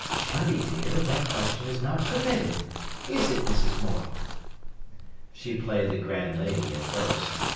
"Chubby dear! That question is not permitted, is it, Mrs. Morel?" She played the grand lady at first.